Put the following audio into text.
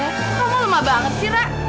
kamu lemah banget sih rak